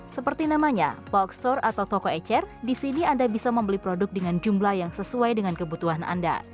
seperti namanya box store atau toko ecer di sini anda bisa membeli produk dengan jumlah yang sesuai dengan kebutuhan anda